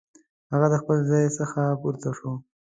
هغه د خپل ځای څخه پورته شو.